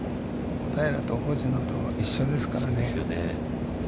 小平と星野と一緒ですからね。